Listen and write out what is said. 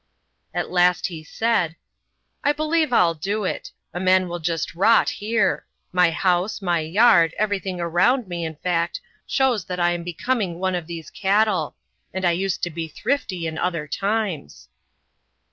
At last he said: "I believe I'll do it. A man will just rot, here. My house my yard, everything around me, in fact, shows' that I am becoming one of these cattle and I used to be thrifty in other times."